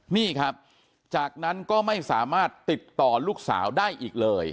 นี่ครับจากนั้นก็ไม่สามารถติดต่อลูกสาวได้อีกเลย